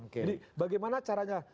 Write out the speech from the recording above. jadi bagaimana caranya